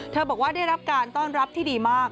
บอกว่าได้รับการต้อนรับที่ดีมาก